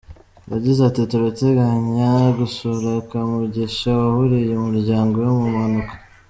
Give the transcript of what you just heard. Yagize ati “ Turateganya gusura Kamugisha waburiye umuryango we mu mpanuka.